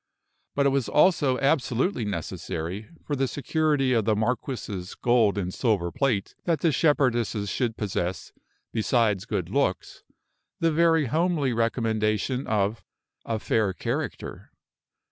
But it was also absolutely necessary, for the security of the marquis's gold and silver plate, that the shepherdesses should possess, besides good looks, the very homely recommendation of a fair character.